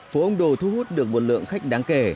phố ông đồ thu hút được một lượng khách đáng kể